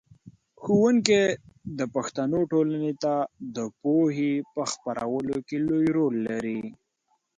ښوونکی د پښتنو ټولنې ته د پوهې په خپرولو کې لوی رول لري.